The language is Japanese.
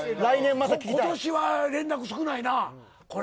今年は連絡、少ないなこれ。